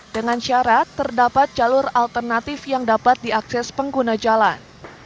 dengan syarat terdapat jalur alternatif yang dapat diakses pengguna jalan